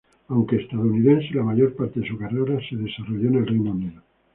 Aunque estadounidense, la mayor parte de su carrera se desarrolló en el Reino Unido.